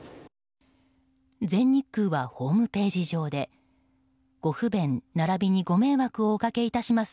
全日空はホームページ上でご不便ならびにご迷惑をおかけします